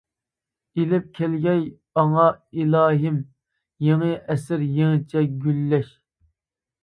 ئېلىپ كەلگەي ئاڭا ئىلاھىم، يېڭى ئەسىر يېڭىچە گۈللەش.